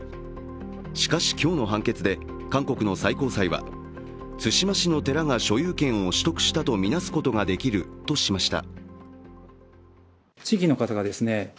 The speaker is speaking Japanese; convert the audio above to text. しかし、今日の判決で韓国の最高裁は対馬市の寺が所有権を取得したとみなすことができるとしました。